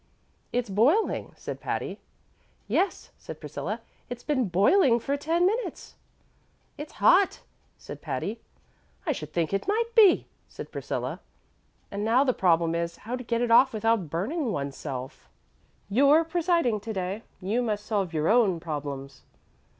"It's boiling," said Patty. "Yes," said Priscilla; "it's been boiling for ten minutes." "It's hot," said Patty. "I should think it might be," said Priscilla. "And now the problem is, how to get it off without burning one's self." "You're presiding to day; you must solve your own problems."